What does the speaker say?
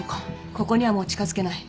ここにはもう近づけない。